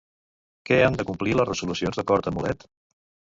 Què han de complir, les resolucions, d'acord amb Mulet?